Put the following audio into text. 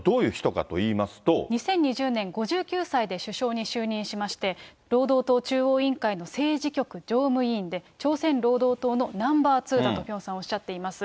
２０２０年、５９歳で首相に就任しまして、労働党中央委員会の政治局常務委員で、朝鮮労働党のナンバー２だとピョンさんおっしゃっています。